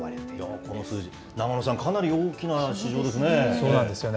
この数字、永野さん、かなりそうなんですよね。